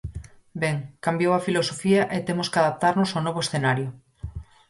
Ben, cambiou a filosofía e temos que adaptarnos ao novo escenario.